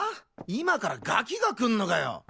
今からガキが来んのかよ。